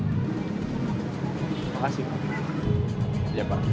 terima kasih pak